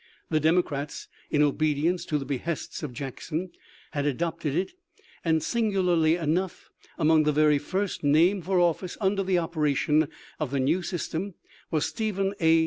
The Democrats, in obedience to the behests of Jackson, had adopted it, and, singularly enough, among the very first named for office under the operation of the new system was Stephen A.